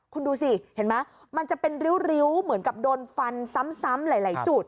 คุณดูสิเห็นไหมมันจะเป็นริ้วเหมือนกับโดนฟันซ้ำหลายจุด